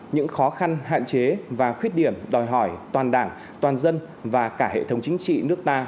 những khó khăn hạn chế và khuyết điểm đòi hỏi toàn đảng toàn dân và cả hệ thống chính trị nước ta